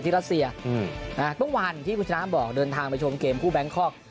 ที่รัสเซียอืมอ่าเมื่อวันที่คุณชาติบอกเดินทางไปชมเกมคู่แบงค์คอร์ก